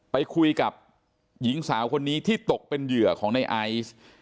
ไปคุยกับหญิงสาวคนนี้ที่ตกเป็นเหยื่อของในไอซ์